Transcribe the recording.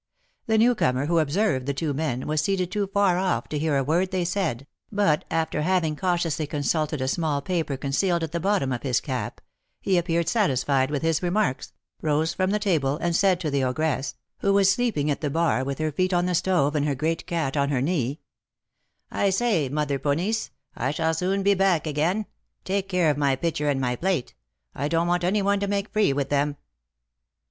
The newcomer, who observed the two men, was seated too far off to hear a word they said, but, after having cautiously consulted a small paper concealed at the bottom of his cap, he appeared satisfied with his remarks, rose from the table, and said to the ogress, who was sleeping at the bar, with her feet on the stove, and her great cat on her knee: "I say, Mother Ponisse, I shall soon be back again; take care of my pitcher and my plate; I don't want any one to make free with them."